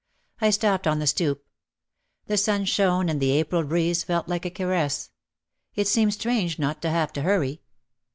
I stopped on the stoop. The sun shone and the April breeze felt like a caress. It seemed strange not to have to hurry.